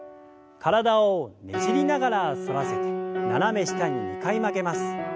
体をねじりながら反らせて斜め下に２回曲げます。